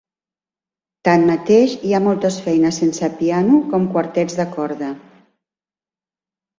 Tanmateix, hi ha moltes feines sense piano, com quartets de corda.